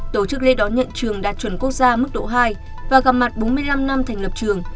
tổ chức lễ đón nhận trường đạt chuẩn quốc gia mức độ hai và gặp mặt bốn mươi năm năm thành lập trường